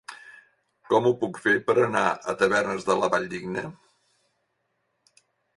Com ho puc fer per anar a Tavernes de la Valldigna?